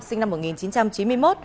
sinh năm một nghìn chín trăm chín mươi một